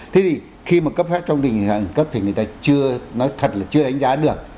thế thì khi mà cấp phép trong cái tình trạng khẩn cấp thì người ta chưa nói thật là chưa đánh giá được